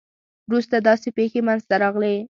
وروسته داسې پېښې منځته راغلې.